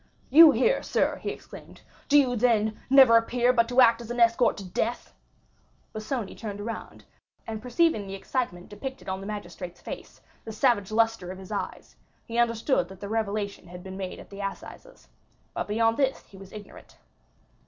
"You here, sir!" he exclaimed; "do you, then, never appear but to act as an escort to death?" Busoni turned around, and, perceiving the excitement depicted on the magistrate's face, the savage lustre of his eyes, he understood that the revelation had been made at the assizes; but beyond this he was ignorant.